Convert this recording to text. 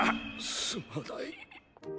すまない。